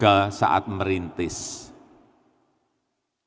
karena sekali lagi tidak melihat kebutuhan pasar yang ada